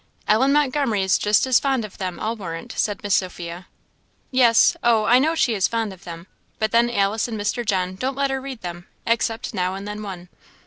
"Ellen Montgomery is just as fond of them, I'll warrant," said Miss Sophia. "Yes oh, I know she is fond of them; but then Alice and Mr. John don't let her read them, except now and then one."